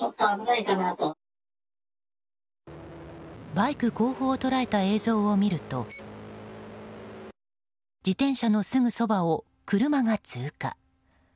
バイク後方を捉えた映像を見ると自転車のすぐそばを車が通過。